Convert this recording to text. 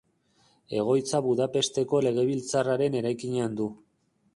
Egoitza Budapesteko Legebiltzarraren eraikinean du.